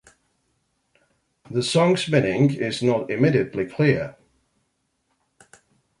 The song's meaning is not immediately clear.